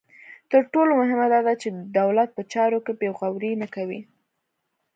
تر ټولو مهمه دا ده چې دولت په چارو کې بې غوري نه کوي.